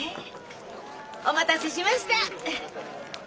お待たせしました。